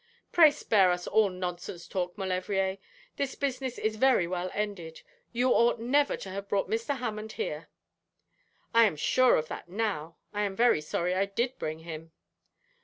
Pray spare us all nonsense talk, Maulevrier. This business is very well ended. You ought never to have brought Mr. Hammond here.' 'I am sure of that now. I am very sorry I did bring him.'